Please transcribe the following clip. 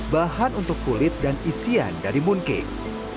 bahan untuk kulit dan isian dari mooncake